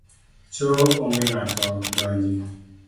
Cho onge ng’ato donji.